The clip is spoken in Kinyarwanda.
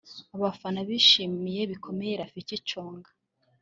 Abafana bishimiye bikomeye Rafiki Coga